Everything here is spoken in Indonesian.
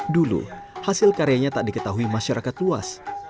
dulu hasil karyanya tak diketahui masyarakat luas